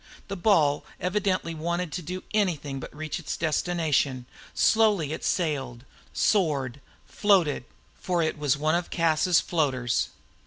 The ball evidently wanted to do anything but reach its destination. Slowly it sailed, soared, floated, for it was one of Cas's floaters.